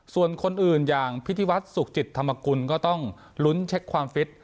ส่วนคนอื่นอย่างพิธีวัฒน์สุขจิตธรรมกุลก็ต้องลุ้นเช็คความฟิต